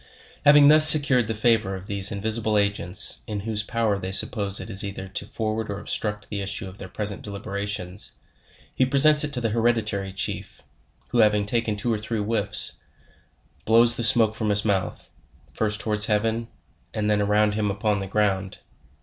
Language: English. Having thus secured the favor of these in visible agents, in whose power they suppose it is either to forward or obstruct the issue of their present deliberations, he presents it to the hereditary chief, who having taken two or three whiffs, blows the smoke from his mouth, first to wards heaven, and then around him upon the ground.